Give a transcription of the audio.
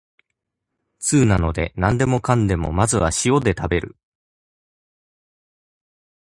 通なので、なんでもかんでもまずは塩で食べる。